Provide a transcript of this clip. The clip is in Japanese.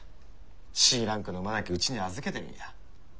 Ｃランクの馬だけうちに預けてるんや。